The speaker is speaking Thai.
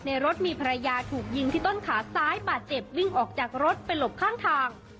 รถมีภรรยาถูกยิงที่ต้นขาซ้ายบาดเจ็บวิ่งออกจากรถไปหลบข้างทาง